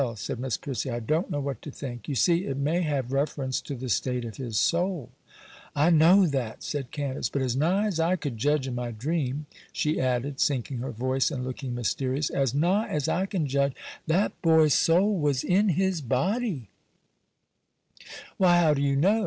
said Miss Prissy, 'I don't know what to think. You see, it may have reference to the state of his soul.' 'I know that,' said Candace; 'but as nigh as I could judge in my dream,' she added, sinking her voice and looking mysterious, 'as nigh as I can judge, that boy's soul was in his body!' 'Why, how do you know?